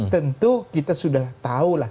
tentu kita sudah tahu lah